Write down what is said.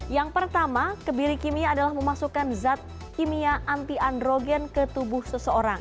yang pertama kebiri kimia adalah memasukkan zat kimia anti androgen ke tubuh seseorang